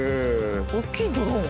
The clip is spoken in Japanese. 大きいドローン！